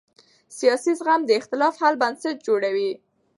سیاسي زغم د اختلاف حل بنسټ جوړوي